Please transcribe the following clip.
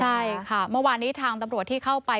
ใช่ค่ะเมื่อวานนี้ทางตำรวจที่เข้าไป